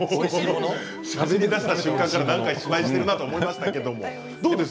しゃべりだした瞬間から何か芝居をしているなと思いましたけれども。